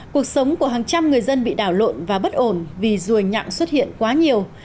cuộc sống của hàng trăm người dân bị đảo lộn và bất ổn vì ruồi nhặng xuất hiện quá nhiều